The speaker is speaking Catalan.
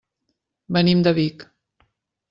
Venim de Vic.